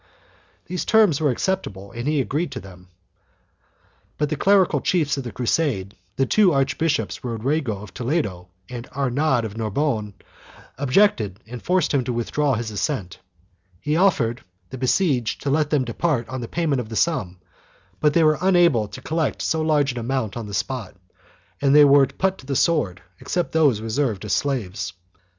The terms were acceptable and he agreed to them, but the clerical chiefs of the crusade, the two archbishops, Rod rigo of Toledo and Arnaud of Narbonne, objected and forced him to withdraw his assent. He offered the besieged to let them depart on the payment of the sum, but they were unable to col lect so large an amount on the spot, and they were put to the 1 Fernandez y Gonzdlez, pp. 39, 45 6, 58. £0 THE JEWS AND THE MOORS [BOOK I sword, except those reserved as slaves.